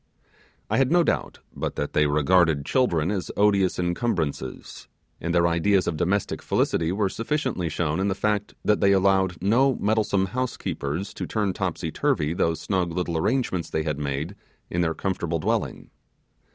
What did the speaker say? I had no doubt but that they regarded children as odious incumbrances; and their ideas of domestic felicity were sufficiently shown in the fact, that they allowed no meddlesome housekeepers to turn topsy turvy those snug little arrangements they had made in their comfortable dwelling.